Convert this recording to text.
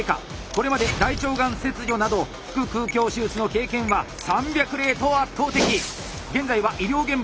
これまで大腸がん切除など腹腔鏡手術の経験は３００例と圧倒的！